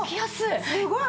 すごい。